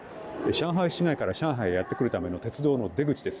上海市内から上海へやってくるための鉄道の出口です。